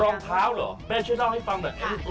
รองเท้าเหรอแม่ช่วยเล่าให้ฟังหน่อย